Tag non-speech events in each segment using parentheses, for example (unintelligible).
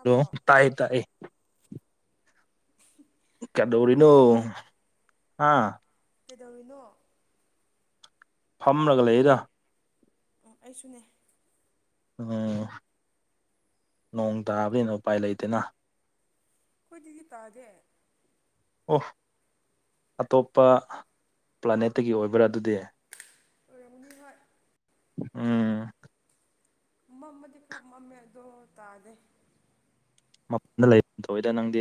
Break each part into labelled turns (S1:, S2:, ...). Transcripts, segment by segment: S1: Hello ꯇꯥꯏ ꯇꯥꯌꯦ ꯀꯗꯧꯔꯤꯅꯣ
S2: ꯀꯩꯗꯧꯔꯤꯅꯣ
S1: ꯑꯥ
S2: ꯀꯩꯗꯧꯔꯤꯅꯣ
S1: ꯐꯝꯂꯒ ꯂꯩꯔ
S2: ꯑꯣ ꯑꯩꯁꯨꯅꯦ
S1: ꯎꯝ ꯅꯣꯡ ꯇꯥꯕꯅꯤꯅ ꯎꯄꯥꯏ ꯂꯩꯇꯦꯅ
S2: ꯑꯩꯈꯣꯏꯗꯤ ꯇꯥꯥꯗꯦ
S1: ꯑꯣ ꯑꯇꯣꯞꯄ ꯄ꯭ꯂꯥꯅꯦꯠꯇꯒꯤ ꯑꯣꯏꯕ꯭ꯔꯥ ꯑꯗꯨꯗꯤ
S2: ꯑꯣꯢꯔꯝꯒꯅꯤ
S1: ꯎꯝ
S2: ꯃꯝꯃꯗꯤ ꯈꯔ ꯃꯝꯃꯦ ꯑꯗꯣ ꯇꯥꯗꯦ
S1: ꯃꯄꯐꯝꯗ ꯂꯩ ꯇꯧꯋꯤꯗ ꯅꯪꯗꯤ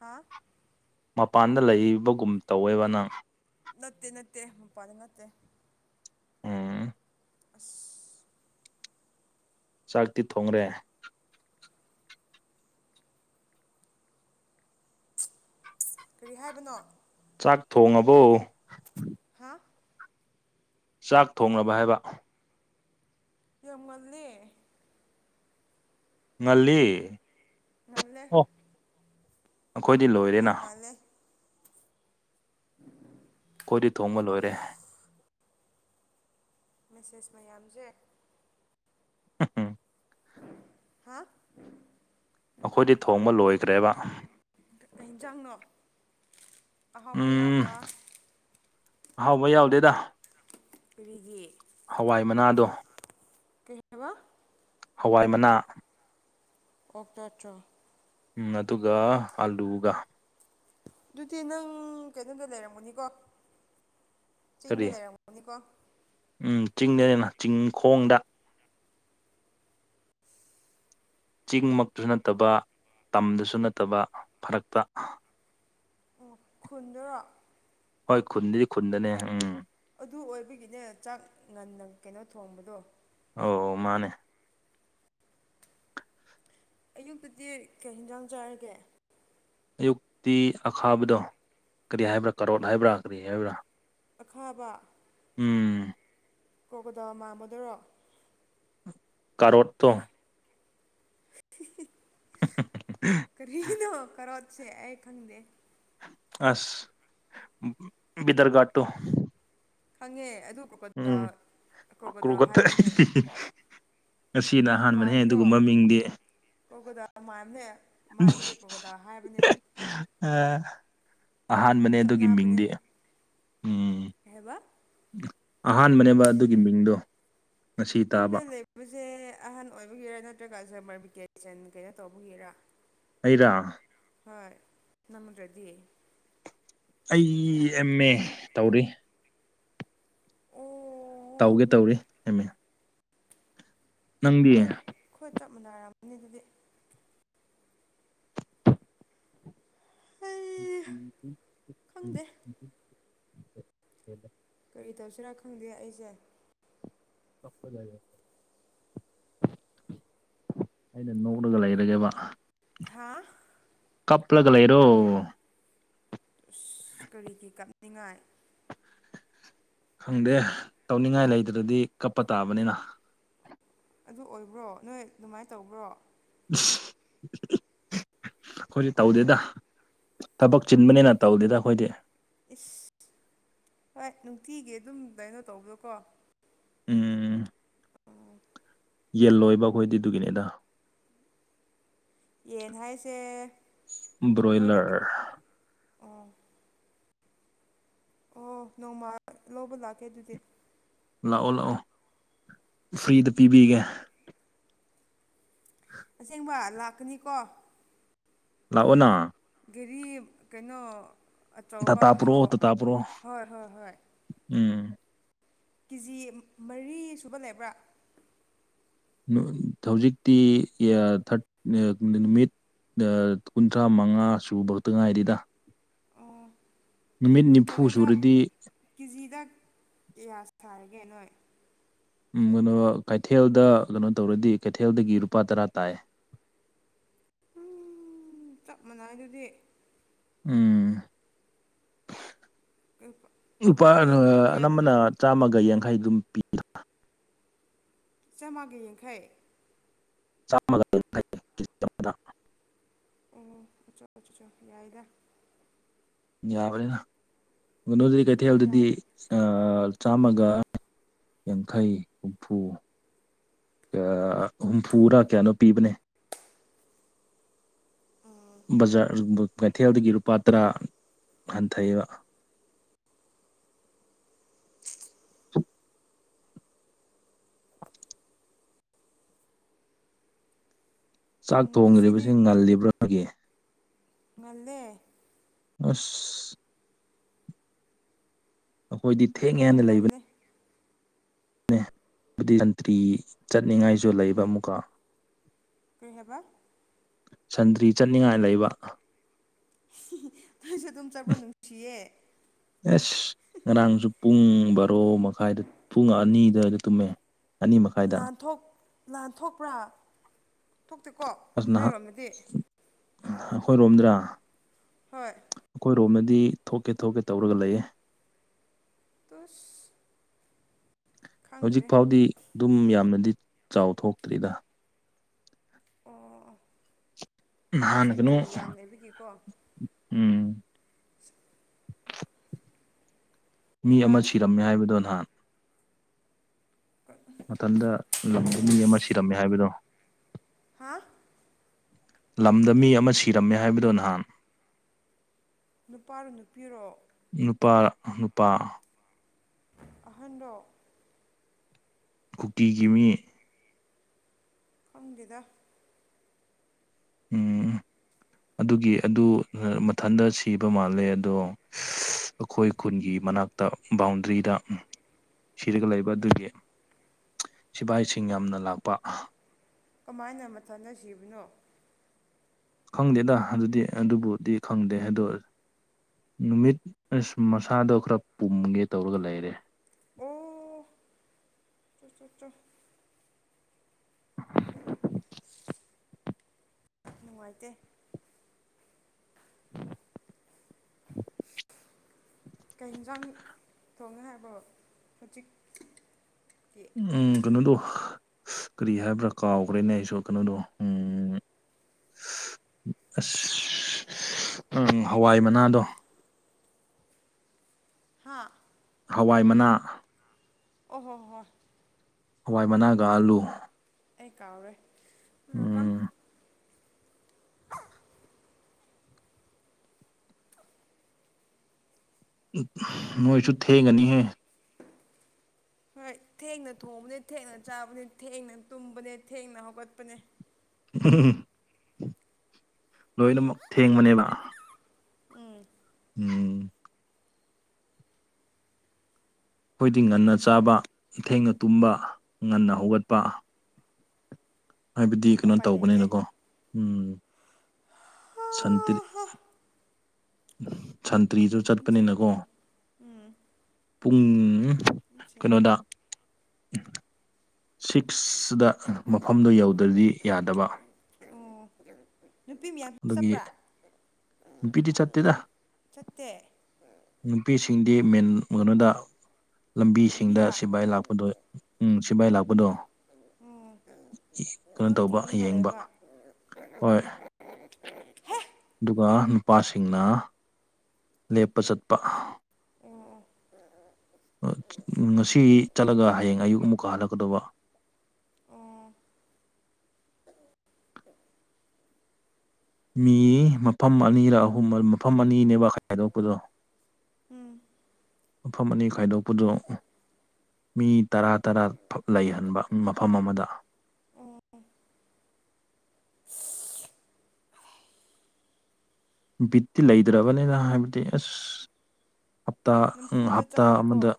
S2: ꯍꯥꯥ
S1: ꯃꯄꯥꯟꯗ ꯂꯩꯕꯒꯨꯝ ꯇꯧꯋꯦꯕ ꯅꯪ
S2: ꯅꯠꯇꯦ ꯅꯠꯇꯦ ꯃꯄꯥꯟꯗꯥ ꯅꯠꯇꯦ
S1: ꯎꯝ
S2: ꯑꯁ
S1: ꯆꯥꯛꯇꯤ ꯊꯣꯡꯉꯔꯦ
S2: ꯀꯔꯤ ꯍꯥꯏꯕꯅꯣ
S1: ꯆꯥꯛ ꯊꯣꯡꯉꯕꯣ
S2: ꯍꯥ
S1: ꯆꯥꯛ ꯊꯣꯡꯂꯕꫭ ꯍꯥꯏꯕ
S2: ꯌꯥꯝ ꯉꯜꯂꯦ
S1: ꯉꯜꯂꯤ
S2: ꯉꯜꯂꯦ
S1: ꯑꯣ ꯑꯩꯈꯣꯏꯗꯤ ꯂꯣꯏ
S2: ꯌꯥꯝ ꯉꯜꯂꯦ
S1: ꯑꯩꯈꫭꯏꯗꯤ ꯊꫭꯡꯕ
S2: ꯑꯣ
S1: ꯂꫭꯏꯔꯦ
S2: ꯃꯦꯁꯦꯁ ꯃꯌꯥꯝꯁꯦ
S1: (inaudible)
S2: ꯍꯥ꯫
S1: ꯑꯩꯈꯣꯏꯗꯤ ꯊꯣꯡꯕ ꯂꯣꯏꯈ꯭ꯔꯦꯕ꯫
S2: ꯀꯩ ꯌꯦꯟꯖꯥꯡꯅꯣ ꯑꯍꯥꯎꯕ
S1: ꯎꯝ
S2: ꯌꯥꯎꯕ꯭ꯔꯥ
S1: ꯑꯍꯥꯎꯕ ꯌꯥꯎꯗꯦꯗ
S2: ꯀꯔꯤꯒꯤ
S1: ꯍꯋꯥꯏ ꯃꯅꯥꯗꯣ
S2: ꯀꯩ ꯍꯥꯏꯕ
S1: ꯍꯋꯥꯏ ꯃꯅꯥ
S2: (unintelligible)
S1: ꯎꯝ ꯑꯗꯨꯒ ꯑꯂꯨꯒ
S2: ꯑꯗꯨꯗꯤ ꯅꯪ ꯀꯩꯅꯣꯗ ꯂꯩꯔꯝꯒꯅꯤꯀꯣ ꯆꯤꯡꯗ
S1: ꯀꯔꯤ
S2: ꯂꯩꯔꯝꯃꯅꯤꯀꯣ
S1: ꯎꯝ ꯆꯤꯡꯗꯅꯦ ꯆꯤꯡꯈꯣꯡꯗ ꯆꯤꯡꯃꯛꯇꯁꯨ ꯅꯠꯇꯕ ꯇꯥꯝꯗꯁꯨ ꯅꯠꯇꯕ ꯐꯔꯛꯇ
S2: ꯈꯨꯟꯗꯨꯔꯣ
S1: ꯍꯣꯏ ꯈꯨꯟꯕꯨꯗꯤ ꯈꯨꯟꯗꯅꯦ ꯎꯝ
S2: ꯑꯗꯨ ꯑꯣꯏꯕꯒꯤꯅꯦ ꯆꯥꯛ ꯉꯟꯅ ꯀꯩꯅꯣ ꯊꯣꯡꯕꯗꯣ
S1: ꯑꯧ ꯃꯥꯅꯦ
S2: ꯑꯌꯨꯛꯇꯗꯤ ꯀꯩ ꯌꯦꯟꯖꯥꯡ ꯆꯥꯔꯒꯦ
S1: ꯑꯌꯨꯛꯇꯤ ꯑꯈꯥꯕꯗꯣ ꯀꯔꯤ ꯍꯥꯏꯕ꯭ꯔꯥ ꯀꯥꯔꯣꯠ ꯍꯥꯏꯕ꯭ꯔꯥ ꯀꯔꯤ ꯍꯥꯏꯕ꯭ꯔꯥ
S2: ꯑꯈꯥꯕ
S1: ꯎꯝ
S2: ꯀꯣꯔꯒꯣꯗꯥꯟ ꯃꯥꯟꯕꯗꯨꯔꯣ
S1: ꯀꯔꯣꯠꯇꯣ
S2: ꯀꯔꯤꯅꯣ ꯀꯔꯣꯠꯁꯦ ꯑꯩ ꯈꯪꯗꯦ
S1: ꯑꯁ ꯗꯔꯒꯥ (unintelligible) ꯇꯨ
S2: ꯈꯪꯉꯦ ꯑꯗꯨ ꯀꯣꯔꯒꯣꯗꯥꯟ ꯀꯣꯔꯒꯣꯗꯥꯟ
S1: ꯀ꯭ꯔꯣꯒꯠꯇ
S2: ꯍꯥꯏꯕꯅꯦ
S1: ꯉꯁꯤꯅ ꯑꯍꯥꯟꯕꯅꯦꯍꯦ
S2: ꯃꯥꯟꯗꯔꯣ
S1: ꯑꯗꯨꯒꯨꯝꯕ ꯃꯤꯡꯗꯤ
S2: ꯀꯣꯔꯒꯣꯗꯥꯟ ꯃꯥꯟꯕꯅꯦ ꯃꯥꯏꯕꯒꯤ ꯀꯣꯔꯒꯣꯗꯥꯟ ꯍꯥꯏꯕꯅꯦ
S1: ꯑꯥ ꯑꯍꯥꯟꯕꯅꯦ ꯑꯗꯨꯒꯤ
S2: ꯆꯠꯅꯕꯅꯦ
S1: ꯃꯤꯡꯗꯤ ꯎꯝ
S2: ꯀꯩ ꯍꯥꯏꯕ
S1: ꯑꯍꯥꯟꯕꯅꯦꯕ ꯑꯗꯨꯒꯤ ꯃꯤꯡꯗꯣ ꯉꯁꯤ
S2: ꯌꯨꯝꯗ
S1: ꯇꯥꯕ
S2: ꯂꯩꯕꯁꯦ ꯑꯍꯟ ꯑꯣꯏꯕꯒꯤꯔ ꯅꯠꯇ꯭ꯔꯒ ꯁꯥꯃꯔ ꯚꯤꯀꯦꯁꯟ ꯀꯩꯅꯣ ꯇꯧꯕꯒꯤꯔꯥ
S1: ꯑꯩꯔꯥ
S2: ꯍꯣꯏ ꯅꯪ ꯅꯠꯇ꯭ꯔꯗꯤ
S1: ꯑꯩ ꯑꯦꯝ ꯑꯦ ꯇꯧꯔꯤ
S2: ꯑꯣ
S1: ꯇꯧꯒꯦ ꯇꯧꯔꯤ ꯍꯦꯃꯦ
S2: ꯍꯣꯏ ꯑꯩꯈꯣꯏ ꯆꯞ ꯃꯥꯟꯅꯔꯃꯅꯤ ꯑꯗꯨꯗꯤ ꯑꯩ ꯈꯪꯗꯦ
S1: (inaudible)
S2: ꯀꯔꯤ ꯇꯧꯁꯤꯔꯥ ꯈꯪꯗꯦ ꯑꯩꯁꯦ
S1: (unintelligible) ꯑꯩꯅ ꯅꯣꯛꯂꯒ ꯂꯩꯔꯒꯦꯕ
S2: ꯍꯥꯥ
S1: ꯀꯞꯂꯒ ꯂꯩꯔꯣ
S2: ꯑꯁ ꯀꯔꯤꯒꯤ ꯀꯞꯅꯤꯡꯉꯥꯏ
S1: ꯈꯪꯗꯦ ꯇꯧꯅꯤꯡꯉꯥꯏ ꯂꯩꯇ꯭ꯔꯗꯤ ꯀꯞꯄ ꯇꯥꯕꯅꯤꯅ
S2: ꯑꯗꯨ ꯑꯣꯏꯕ꯭ꯔꯣ ꯅꯣꯏ ꯑꯗꯨꯃꯥꯏ ꯇꯧꯕ꯭ꯔꯣ
S1: ꯏꯁ ꯑꯩꯈꯣꯏꯗꯤ ꯇꯧꯗꯦꯗ ꯊꯕꯛ ꯆꯤꯟꯕꯅꯤꯅ ꯇꯧꯗꯦꯗ ꯑꯩꯈꯣꯏꯗꯤ
S2: ꯏꯁ ꯍꯣꯏ ꯅꯨꯡꯇꯤꯒꯤ ꯑꯗꯨꯝ ꯀꯩꯅꯣ ꯇꯧꯕꯗꯣꯀꯣ
S1: ꯎꯝ ꯌꯦꯜ ꯂꯣꯏꯕ ꯑꯩꯈꯣꯏꯗꯤ ꯑꯗꯨꯒꯤꯅꯤꯗ
S2: ꯌꯦꯟ ꯍꯥꯏꯁꯦ ꯑꯩꯈꯣꯏꯒꯤ
S1: ꯕ꯭ꯔꯣꯏꯂꯔ
S2: ꯑꯣ ꯑꯣ ꯅꯣꯡꯃ ꯂꯧꯕ ꯂꯥꯛꯀꯦ ꯑꯗꯨꯗꯤ
S1: ꯂꯥꯛꯑꯣ ꯂꯥꯛꯑꯣ ꯐ꯭ꯔꯤꯗ ꯄꯤꯕꯤꯒꯦ
S2: ꯑꯁꯦꯡꯕ ꯂꯥꯛꯀꯅꯤꯀꯣ
S1: ꯂꯥꯛꯑꯣꯅ
S2: ꯒꯥꯔꯤ ꯀꯩꯅꯣ ꯑꯆꯧꯕ
S1: ꯇꯥꯇꯥ
S2: ꯍꯥꯎ
S1: ꯄꯨꯔꯛꯑꯣ ꯇꯥꯇꯥ ꯄꯨꯔꯛꯑꯣ
S2: ꯍꯣꯏ ꯍꯣꯏ ꯍꯣꯏ
S1: ꯎꯝ
S2: ꯀꯦꯖꯤ ꯃꯔꯤ ꯁꯨꯕ ꯂꯩꯕ꯭ꯔꯥ
S1: ꯍꯧꯖꯤꯛꯇꯤ ꯊꯥꯔꯠ ꯅꯨꯃꯤꯠ ꯀꯨꯟꯊ꯭ꯔꯥ ꯃꯉꯥ ꯁꯨꯕꯛꯇ ꯉꯥꯏꯔꯤꯗ
S2: ꯑꯣ
S1: ꯅꯨꯃꯤꯠ ꯅꯤꯐꯨ
S2: ꯀꯩꯅꯣꯗ
S1: ꯁꯨꯔꯗꯤ
S2: ꯀꯦꯖꯤꯗ ꯀꯌꯥ ꯁꯥꯔꯒꯦ ꯅꯣꯏ
S1: ꯎꯝ ꯃꯥꯅꯣ ꯀꯩꯊꯦꯜꯗ ꯀꯩꯅꯣ ꯇꯧꯔꯗꯤ ꯀꯩꯊꯦꯜꯗꯒꯤ ꯂꯨꯄꯥ ꯇꯔꯥ ꯇꯥꯏ
S2: ꯎ ꯆꯞ ꯃꯥꯟꯅꯩꯗꯨꯗꯤ
S1: ꯎꯝ ꯂꯨꯄꯥ
S2: ꯇꯨ ꯍꯟꯗ꯭ꯔꯦꯠ
S1: ꯑꯅꯝꯕꯅ ꯆꯥꯝꯃꯒ ꯌꯥꯡꯈꯩ ꯑꯗꯨꯝ ꯄꯤꯗꯥ
S2: ꯆꯥꯝꯃꯒꯌꯥꯡꯈꯩ
S1: ꯆꯥꯝꯃꯒ ꯌꯥꯡꯈꯩ ꯀꯦꯖꯤ ꯑꯃꯗ
S2: ꯑꯣ ꯑꯆꯥ ꯑꯆꯥ ꯌꯥꯏꯗ
S1: ꯌꯥꯕꯅꯤꯅ ꯒꯨꯅꯣꯗꯗꯤ ꯀꯩꯊꯦꯜꯗꯗꯤ
S2: ꯌꯥꯏ
S1: ꯑꯥ ꯆꯥꯝꯃꯒ ꯌꯥꯡꯈꯩ ꯍꯨꯝꯐꯨ ꯌꯥ ꯍꯨꯝꯐꯨꯔꯥ ꯀꯌꯥꯅꯣ ꯄꯤꯕꯅꯦ ꯕꯖꯥꯔ ꯕ ꯀꯩꯊꯦꯜꯗꯒꯤ ꯂꯨꯄꯥ ꯇꯔꯥ ꯍꯟꯊꯩꯑꯦꯕ (inaudible) ꯆꯥꯛ
S2: ꯉꯁꯤꯗꯤ
S1: ꯊꯣꯡꯗꯔꯤꯕꯁꯤ ꯉꯜꯂꯤꯕ꯭ꯔꯥꯒꯤ
S2: ꯉꯜꯂꯦ
S1: ꯑꯁ ꯑꯈꯣꯏꯗꯤ
S2: ꯌꯥꯝ ꯉꯜꯂꯦ
S1: ꯅꯦ ꯍꯥꯏꯕꯗꯤ ꯖꯟꯇ꯭ꯔꯤ ꯆꯠꯅꯤꯡꯉꯥꯏꯁꯨ ꯂꯩꯕ ꯑꯃꯨꯛꯀ
S2: ꯀꯩ ꯍꯥꯏꯕ
S1: ꯁꯟꯗ꯭ꯔꯤ ꯆꯠꯅꯤꯡꯉꯥꯏ ꯂꯩꯕ
S2: ꯅꫭꯏꯁꯨ ꯑꯗꯨꯝ ꯆꯠꯄ꯭ꯔꫭ ꯅꯨꯡꯁꯤꯌꯦ
S1: ꯑꯦꯁ ꯉꯔꯥꯡꯁꯨ ꯄꯨꯡ ꯕꯥꯔꯣ ꯃꯈꯥꯏꯗ ꯄꯨꯡ ꯑꯅꯤꯗꯥꯏꯗ ꯇꯨꯝꯃꯦ ꯑꯅꯤ ꯃꯈꯥꯏꯗ
S2: ꯂꯥꯟꯊꯣꯛ ꯂꯥꯟꯊꯣꯛꯄ꯭ꯔꯥ ꯊꯣꯛꯇꯦꯀꯣ
S1: ꯑꯁ ꯅꯍꯥꯟ
S2: ꯅꫭꯏꯔꯣꯝꯗꯗꯤ
S1: ꯑꯩꯈꯣꯏꯔꯣꯝꯗ꯭ꯔꯥ
S2: ꯍꯣꯏ
S1: ꯑꯩꯈꯣꯏ ꯔꯣꯝꯗꯗꯤ ꯊꯣꯛꯀꯦ ꯊꯣꯛꯀꯦ ꯇꯧꯔꯒ ꯂꯩꯌꯦ
S2: ꯇꯨꯠꯁ
S1: ꯍꯧꯖꯤꯛ ꯐꯥꯎꯗꯤ ꯑꯗꯨꯝ ꯌꯥꯝꯅꯗꯤ ꯆꯥꯎ ꯊꯣꯛꯇ꯭ꯔꯤꯗꯥ
S2: ꯑꯣ ꯅꯣꯏ
S1: ꯅꯍꯥꯟꯅꯒꯅꯨ
S2: ꯁꯟꯇ꯭ꯔꯤ ꯃꯌꯥꯝ ꯂꯩꯕꯒꯤꯀꯣ
S1: ꯎꯝ
S2: (inaudible)
S1: ꯃꯤ ꯑꯃ
S2: ꯅꯍꯥꯟ
S1: ꯁꯤꯔꯝꯃꯦ ꯍꯥꯏꯕꯗꯣ ꯅꯍꯥꯟ
S2: (unintelligible)
S1: ꯃꯊꯟꯗ ꯂꯝꯗꯥ ꯃꯤ ꯑꯃ ꯁꯤꯔꯝꯃꯦ ꯍꯥꯏꯕꯗꯣ
S2: ꯍꯥꯥ
S1: ꯂꯝꯗ ꯃꯤ ꯑꯃ ꯁꯤꯔꯝꯃꯦ ꯍꯥꯏꯕꯗꯣ ꯅꯍꯥꯟ
S2: ꯅꯨꯄꯥꯔꯣ ꯅꯨꯄꯤꯔꯣ
S1: ꯅꯨꯄꯥ ꯅꯨꯄꯥ
S2: ꯑꯍꯟꯔꫭ
S1: ꯀꯨꯀꯤꯒꯤ ꯃꯤ
S2: ꯈꯪꯗꯦꯗ
S1: ꯎꯝ ꯑꯗꯨꯒꯤ ꯑꯗꯨ ꯃꯊꯟꯇ ꯁꯤꯕ ꯃꯥꯜꯂꯦ ꯑꯗꯣ ꯑꯩꯈꯣꯏ ꯈꯨꯟꯒꯤ ꯃꯅꯥꯛꯇ ꯕꯥꯎꯟꯗ꯭ꯔꯤꯗ ꯁꯤꯔꯒ ꯂꯩꯕ ꯑꯗꯨꯒꯤ ꯁꯤꯐꯏꯁꯤꯡ ꯌꯥꯝꯅ ꯂꯥꯛꯄ
S2: ꯀꯃꯥꯏꯅ ꯃꯊꯥꯟ ꯇ ꯁꯤꯕꯅꯣ
S1: ꯈꯪꯗꯦꯗ ꯑꯗꯨꯗꯤ ꯑꯗꯨꯕꯨꯗꯤ ꯈꯪꯗꯦ ꯍꯥꯏꯗꫭ ꯅꯨꯃꯤꯠ ꯑꯁ ꯃꯁꯥꯗꯣ ꯈꯔ ꯄꯨꯝꯒꯦ ꯇꯧꯔꯒ ꯂꯩꯔꯦ
S2: ꯑꯣ ꯆꫭ ꯆꫭ ꯅꯨꯡꯉꯥꯏꯇꯦ ꯀꯩ ꯌꯦꯟꯖꯥꯡ ꯊꯣꯡꯉꯦ ꯍꯥꯏꯕꯔꫭ ꯍꯧꯖꯤꯛ ꯇꯤ
S1: ꯎꯝ ꯀꯩꯅꯣꯗꯣ ꯀꯔꯤ ꯍꯥꯏꯕ꯭ꯔꯥ ꯀꯥꯎꯈ꯭ꯔꯦꯅꯦ ꯑꯩꯁꯨ ꯀꯩꯅꯣꯗꯣ ꯎꯝ ꯑꯁ ꯎꯝ ꯍꯋꯥꯏ ꯃꯅꯥꯗꯣ
S2: ꯍꯥ
S1: ꯍꯋꯥꯏ ꯃꯅꯥ
S2: ꯑꯣ ꯍꯣꯏ ꯍꯣꯏ ꯍꯣꯏ
S1: ꯍꯋꯥꯏ ꯃꯅꯥꯒ ꯑꯜꯂꯨ
S2: ꯑꯩ ꯀꯥꯎꯔꯦ ꯀꯅꯥꯀꯝ
S1: ꯎꯝ
S2: (unintelligible)
S1: ꯅꯣꯏꯁꯨ ꯊꯦꯡꯒꯅꯤꯍꯦ
S2: ꯍꯣꯏ ꯊꯦꯡꯅ ꯊꯣꯡꯕꯅꯦ ꯊꯦꯡꯅ ꯆꯥꯕꯅꯦ ꯊꯦꯡꯅ ꯇꯨꯝꯕꯅꯦ ꯊꯦꯡꯅ ꯍꯧꯒꯠꯄꯅꯦ
S1: (unintelligible) ꯂꯣꯏꯅꯃꯛ ꯊꯦꯡꯕꯅꯦꯕ
S2: ꯎꯝ
S1: ꯎꯝ ꯑꯩꯈꯣꯏꯗꯤ ꯉꯟꯅ ꯆꯥꯕ ꯊꯦꯡꯅ ꯇꯨꯝꯕ ꯉꯟꯅ ꯍꯧꯒꯠꯄ ꯍꯥꯏꯕꯗꯤ ꯀꯩꯅꯣ
S2: ꯎꯄꯥꯏ ꯂꯩꯇꯦ
S1: ꯇꯧꯕꯅꯤꯅꯀꯣ ꯎꯝ ꯁꯟꯇ꯭ꯔꯤ ꯁꯟꯇ꯭ꯔꯤꯁꯨ ꯆꯠꯄꯅꯤꯅꯀꯣ
S2: ꯎꯝ
S1: ꯄꯨꯡ ꯀꯩꯅꯣꯗ ꯁꯤꯛꯁꯗ ꯃꯐꯝꯗꯨ ꯌꯧꯗ꯭ꯔꯗꯤ ꯌꯥꯗꯕ
S2: ꯍꯝ ꯅꯨꯄꯤ ꯃꯌꯥꯝ
S1: ꯑꯗꯨꯒꯤ
S2: ꯆꯠꯄ꯭ꯔꯥ
S1: ꯅꯨꯄꯤꯗꯤ ꯆꯠꯇꯦꯗ
S2: ꯆꯠꯇꯦ
S1: ꯅꯨꯄꯤꯁꯤꯡꯗꯤ ꯃꯦꯟ ꯀꯩꯅꯣꯗ ꯂꯝꯕꯤꯁꯤꯡꯗ
S2: ꯂꯝꯕꯤꯗ
S1: ꯁꯤꯐꯥꯏ ꯂꯥꯛꯄꯗꯣ ꯎꯝ ꯁꯤꯕꯥꯥꯏ ꯂꯥꯛꯄꯗꯣ
S2: ꯎꯝ
S1: ꯀꯩꯅꯣ
S2: ꯑꯗꯨ
S1: ꯇꯧꯕ
S2: ꯊꯤꯡꯉꯒ
S1: ꯌꯦꯡꯕ
S2: ꯂꯩꯕ
S1: ꯍꯣꯏ
S2: ꯍꯦ
S1: ꯑꯗꯨꯒ ꯅꯨꯄꯥꯁꯤꯡꯅ ꯂꯦꯞꯄ ꯆꯠꯄ
S2: ꯑꯣ ꯑꯣ
S1: ꯉꯁꯤ ꯆꯠꯂꯒ ꯍꯌꯦꯡ ꯑꯌꯨꯛ ꯑꯃꯨꯛꯀ ꯍꯜꯂꯛꯀꯗꯧꯕ
S2: ꯑꯣ
S1: ꯃꯤ ꯃꯐꯝ ꯑꯅꯤꯔꯛ ꯑꯍꯨꯝ ꯃꯐꯝ ꯑꯅꯤꯅꯦꯕ ꯈꯥꯏꯗꯣꯛꯄꯗꯣ
S2: ꯎꯝ
S1: ꯃꯐꯝ ꯑꯅꯤ ꯈꯥꯏꯗꯣꯛꯄꯗꯣ ꯃꯤ ꯇꯔꯥ ꯇꯔꯥ ꯂꯩꯍꯟꯕ ꯃꯐꯝ ꯑꯃꯗ ꯕꯤꯠꯇꯤ ꯂꯩꯇ꯭ꯔꯕꯅꯤꯅ ꯍꯥꯏꯕꯗꯤ ꯑꯁ ꯍꯞꯇꯥ
S2: ꯅꯝꯐꯨꯗ
S1: ꯍꯞꯇꯥ ꯑꯃꯗ
S2: ꯆꯠꯄꯅꯦꯀꯣ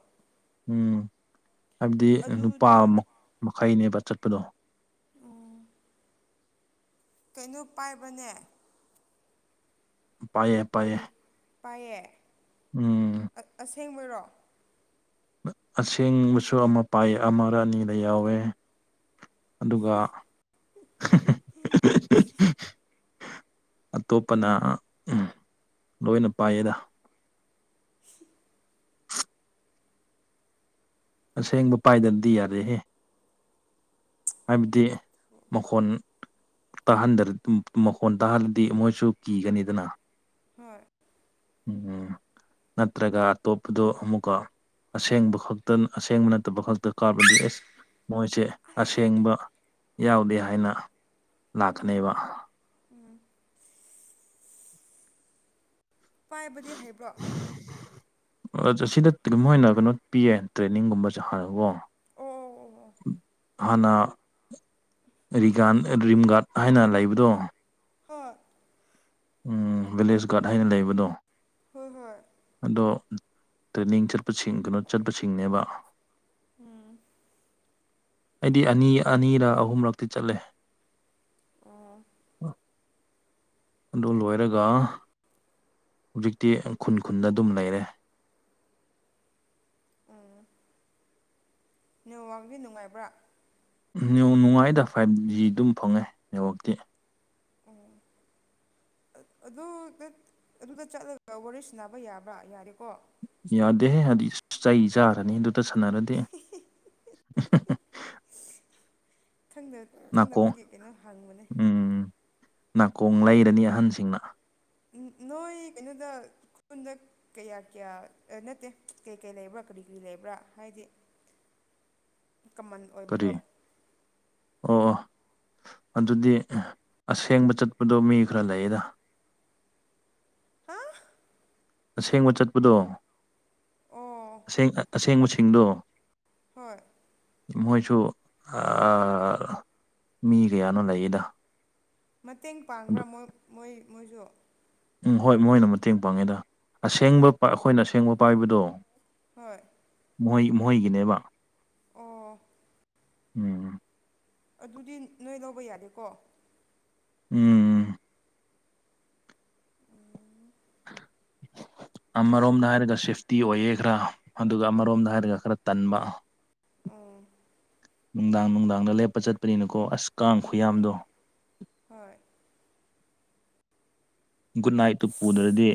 S1: ꯎꯝ ꯍꯥꯏꯕꯗꯤ ꯅꯨꯄꯥ
S2: ꯑꯗꯨꯗꯤ
S1: ꯃꯈꯩꯅꯦꯕ ꯆꯠꯄꯗꯣ
S2: ꯑꯣ ꯀꯩꯅꯣ ꯄꯥꯏꯕꯅꯦ
S1: ꯄꯥꯏꯌꯦ ꯄꯥꯏꯌꯦ
S2: ꯀꯔꯤ ꯄꯥꯏꯌꯦ
S1: ꯎꯝ
S2: ꯑꯁꯦꯡꯕꯔꯣ
S1: ꯑꯁꯦꯡꯕꯁꯨ ꯑꯃ ꯄꯥꯏꯑ ꯑꯃꯔ ꯑꯅꯤꯗ ꯌꯥꯎꯋꯦ ꯑꯗꯨꯒ (unintelligible) ꯑꯇꯣꯞꯄꯅ ꯂꯣꯏꯅ ꯄꯥꯏꯌꯦꯗ ꯑꯁꯦꯡꯕ ꯄꯥꯏꯗꯔꯥꯗꯤ ꯌꯥꯔꯦꯍꯦ ꯍꯥꯏꯕꯗꯤ ꯃꯈꯣꯟ ꯇꯥꯍꯟꯗ ꯃꯈꯣꯟ ꯇꯥꯍꯜꯂꯗꯤ ꯃꯣꯏꯁꯨ ꯀꯤꯒꯅꯤꯗꯅ
S2: ꯍꯣꯏ
S1: ꯎꯝ ꯅꯠꯇ꯭ꯔꯒ ꯑꯇꯣꯞꯄꯗꯣ ꯑꯃꯨꯛꯀ ꯑꯁꯦꯡꯕ ꯈꯛꯇ ꯑꯁꯦꯡꯕ ꯅꯠꯇꯕ ꯈꯛꯇ ꯀꯥꯕꯗꯤ ꯑꯦꯁ ꯃꯣꯏꯁꯦ ꯑꯁꯦꯡꯕ ꯌꯥꯎꯗꯦ ꯍꯥꯏꯅ ꯂꯥꯛꯀꯅꯦꯕ
S2: ꯎꯝ ꯄꯥꯏꯕꯗꯤ ꯍꯩꯕ꯭ꯔꯣ
S1: (unintelligible) ꯑꯁꯤꯗ ꯃꯣꯏꯅ ꯀꯩꯅꯣ ꯄꯤꯌꯦ ꯇ꯭ꯔꯦꯅꯤꯡꯒꯨꯝꯕꯖꯨ ꯍꯥꯟꯅꯀꯣ
S2: ꯑꯣ
S1: ꯍꯟꯅꯥ ꯔꯤꯒꯥꯥꯟ ꯔꯤꯝ ꯒꯥꯠꯗ ꯍꯥꯏꯅ ꯂꯩꯕꯗꯣ
S2: ꯍꯣꯏ
S1: ꯎ ꯚꯤꯂꯦꯖ ꯒꯥꯔꯗ ꯍꯥꯏꯅ ꯂꯩꯕꯗꯣ
S2: ꯍꯣꯏ ꯍꯣꯏ
S1: ꯑꯗꯣ ꯇ꯭ꯔꯦꯅꯤꯡ ꯆꯠꯄꯁꯤꯡ ꯀꯩꯅꯣ ꯆꯠꯄꯁꯤꯡꯅꯦꯕ
S2: ꯎꯝ
S1: ꯑꯩꯗꯤ ꯑꯅꯤ ꯑꯅꯤꯔꯛ ꯑꯍꯨꯝꯂꯛꯇꯤ ꯆꯠꯂꯦ
S2: ꯑꯣ
S1: ꯑꯗꯨ ꯂꯣꯏꯔꯒ ꯍꯧꯖꯤꯛꯇꯤ ꯈꯨꯟ ꯈꯨꯟꯗ ꯑꯗꯨꯝ ꯂꯩꯔꯦ
S2: ꯅꯦꯋꯥꯛꯇꯤ ꯅꯨꯡꯉꯥꯏꯕ꯭ꯔꯥ
S1: ꯅꯨꯡ ꯅꯨꯡ ꯉꯥꯏꯗ ꯐꯥꯏꯞꯖꯤ ꯑꯗꯨꯝ ꯐꯪꯉꯦ ꯅꯦꯠꯋꯥꯛꯇꯤ
S2: ꯎ ꯑꯗꯨ ꯑꯗꯨꯗ ꯆꯠꯂꯒ ꯋꯥꯔꯤ ꯁꯥꯟꯅꯅꯕ ꯌꯥꯕ꯭ꯔꯥ ꯌꯥꯔꯦꯀꯣ
S1: ꯌꯥꯗꯦꯍꯦ ꯍꯥꯏꯗꯤ ꯆꯩ ꯆꯥꯔꯅꯤ ꯑꯗꯨꯇ ꯁꯥꯟꯅꯔꯗꯤ
S2: ꯈꯪꯗ
S1: ꯅꯥꯀꯣꯡ
S2: ꯈꯪꯗꯕꯒꯤ ꯀꯩꯅꯣ ꯍꯪꯕꯅꯦ
S1: ꯎꯝ ꯅꯥꯀꯣꯡ
S2: ꯅꯣꯏ
S1: ꯂꯩꯔꯅꯤ ꯑꯍꯟꯁꯤꯡꯅ
S2: ꯅꯣꯏ ꯀꯩꯅꯣꯗ ꯈꯨꯜꯗ ꯀꯌꯥ ꯀꯌꯥ ꯅꯠꯇꯦ ꯀꯩꯀꯩ ꯂꯩꯕ꯭ꯔꯥ ꯀꯔꯤ ꯀꯔꯤ ꯂꯩꯕ꯭ꯔꯥ ꯍꯥꯏꯗꯤ
S1: (inaudible)
S2: ꯀꯃꯟ ꯑꯣꯏꯕꯗꯣ
S1: ꯀꯔꯤ ꯑꯣ ꯑꯣ ꯑꯗꯨꯗꯤ ꯑꯁꯦꯡꯕ ꯆꯠꯄꯗꯣ ꯃꯤ ꯈꯔ ꯂꯩꯌꯦꯗ
S2: ꯍꯥ
S1: ꯑꯁꯦꯡꯕ ꯆꯠꯄꯗꯣ
S2: ꯑꯣ
S1: ꯑꯁꯦꯡꯕꯁꯤꯡꯗꯣ
S2: ꯍꯣꯏ
S1: ꯃꯣꯏꯁꯨ ꯃꯤ ꯀꯌꯥꯅꯣ ꯂꯩꯌꯦꯗ
S2: ꯃꯇꯦꯡ
S1: ꯑꯗꯨ
S2: ꯄꯥꯡꯕ꯭ꯔꯥ ꯃꯣꯏ ꯃꯣꯏ ꯃꯣꯏꯁꯨ
S1: ꯎꯝ ꯍꯣꯏ ꯃꯣꯏꯅ ꯃꯇꯦꯡ ꯄꯥꯡꯉꯦꯗ ꯑꯁꯦꯡꯕ ꯑꯩꯈꯣꯏꯅ ꯑꯁꯦꯡꯕ ꯄꯥꯏꯕꯗꯣ
S2: ꯍꯣꯏ
S1: ꯃꯣꯏ ꯃꯣꯏꯒꯤꯅꯦꯕ
S2: ꯑꯣ
S1: ꯎꯝ
S2: ꯑꯗꯨꯗꯤ ꯅꯣꯏ ꯂꯧꯕ ꯌꯥꯗꯦꯀꯣ
S1: ꯎꯝ (unintelligible) ꯑꯃꯔꯣꯝꯗ ꯍꯥꯏꯔꯒ ꯁꯦꯐꯇꯤ ꯑꯣꯏꯌꯦ ꯈꯔ ꯑꯗꯨꯒ ꯑꯃꯔꯣꯝꯗ ꯍꯥꯏꯔꯒ ꯈꯔ ꯇꯟꯕ
S2: ꯑꯣ
S1: ꯅꯨꯡꯗꯥꯡ ꯅꯨꯡꯗꯥꯡꯗ ꯂꯦꯞꯄ ꯆꯠꯄꯅꯤꯅꯀꯣ ꯑꯁ ꯀꯥꯡ
S2: ꯍꯣꯏ
S1: ꯈꯨꯌꯥꯝꯗꯣ
S2: ꯍꯣꯏ
S1: ꯒꯨꯗ ꯅꯥꯏꯠꯇꯨ ꯄꯨꯗ꯭ꯔꯗꯤ